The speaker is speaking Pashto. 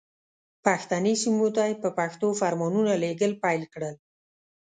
پښتني سیمو ته یې په پښتو فرمانونه لېږل پیل کړل.